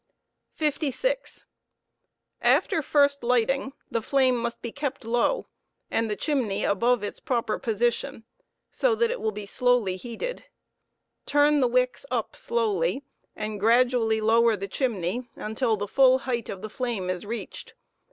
ogftheflSnS* 11 * 56 ' After first lighting, the flame must be kept low, and'the chimney above its proper position, so that it will be slowly heated; turn the wicks up slowly, and gradu ally lower the chimney until the full height of the flame is reached.